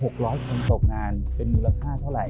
คนตกงานเป็นมูลค่าเท่าไหร